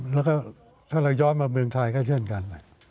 แล้วก็ถ้าเราย้อนมาเมืองไทยก็เช่นกัน